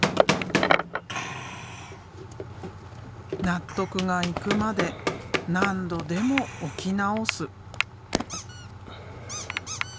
納得がいくまで何度でも置き直す。